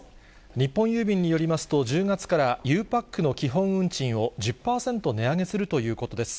日本郵便によりますと、１０月からゆうパックの基本運賃を１０％値上げするということです。